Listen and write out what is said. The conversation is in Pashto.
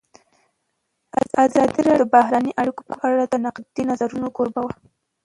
ازادي راډیو د بهرنۍ اړیکې په اړه د نقدي نظرونو کوربه وه.